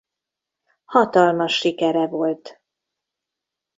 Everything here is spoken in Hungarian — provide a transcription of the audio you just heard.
Hatalmas sikere volt.